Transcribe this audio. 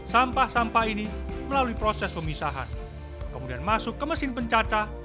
sampah sampah ini melalui proses pemisahan kemudian masuk ke mesin pencaca